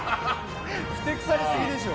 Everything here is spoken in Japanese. ふてくされすぎでしょ。